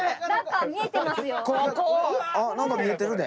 あ何か見えてるで。